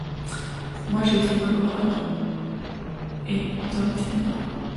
Moi j'étais dans l'aurore, elle dans lés ténèbres ;